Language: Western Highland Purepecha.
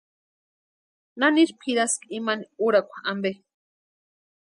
¿Naniri pʼiraski imani úrakwa ampe?